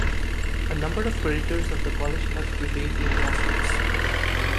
A number of creditors of the college have prevailed in lawsuits.